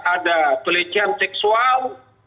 ada pelecehan seksual